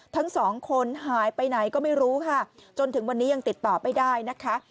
ทั้งสองคนหายไปไหนก็ไม่รู้ค่ะจนถึงวันนี้ยังติดต่อไม่ได้นะคะ